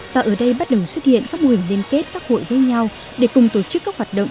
và ở đây bắt đầu xuất hiện các mô hình liên kết các hội với nhau để cùng tổ chức các hoạt động